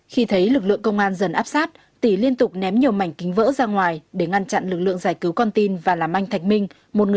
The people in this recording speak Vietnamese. khi thấy lực lượng công an dần áp sát tỷ liên tục ném nhiều mảnh kính vỡ ra ngoài để ngăn chặn lực lượng giải cứu con tin và làm anh thạch minh